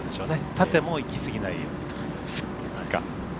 縦も行きすぎないようにと。